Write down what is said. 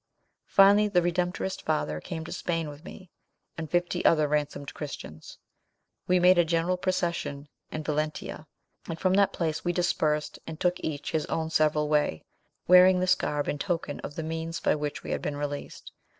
Finally, the Redemptorist father came to Spain with me, and fifty other ransomed Christians. We made a general procession in Valentia, and from that place we dispersed and took each his own several way, wearing this garb in token of the means by which we had been released.